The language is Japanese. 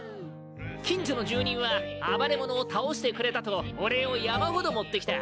近所の住人は暴れ者を倒してくれたとお礼を山ほど持ってきた。